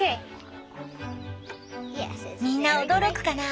みんな驚くかな